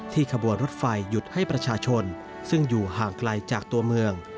ขบวนรถไฟหยุดให้ประชาชนซึ่งอยู่ห่างไกลจากตัวเมือง